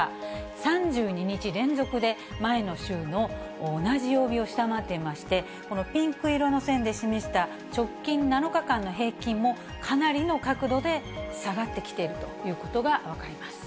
３２日連続で、前の週の同じ曜日を下回っていまして、このピンク色の線で示した直近７日間の平均も、かなりの角度で下がってきているということが分かります。